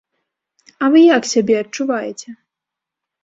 А вы як сябе адчуваеце?